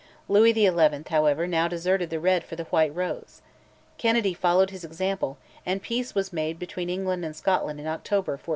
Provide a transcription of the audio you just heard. Louis XI., however, now deserted the Red for the White Rose. Kennedy followed his example; and peace was made between England and Scotland in October 1464.